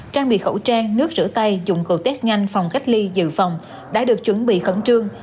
trang bị khẩu trang nước rửa tay dụng cầu test nhanh phòng cách ly dự phòng đã được chuẩn bị khẩn trương